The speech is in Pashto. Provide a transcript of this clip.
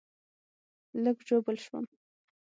لږ ژوبل شوم